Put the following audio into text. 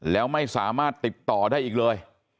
แล้วไม่สามารถติดต่อได้อีกเลย